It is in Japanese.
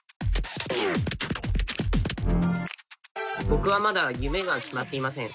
僕はまだ夢が決まっていません。